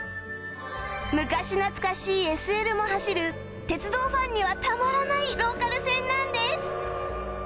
昔懐かしい ＳＬ も走る鉄道ファンにはたまらないローカル線なんです